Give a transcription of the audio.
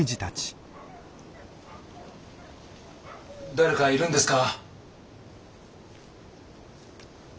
誰かいるんですか？